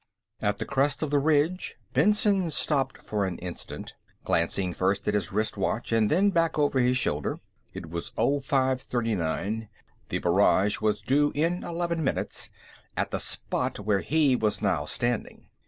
+ At the crest of the ridge, Benson stopped for an instant, glancing first at his wrist watch and then back over his shoulder. It was 0539; the barrage was due in eleven minutes, at the spot where he was now standing.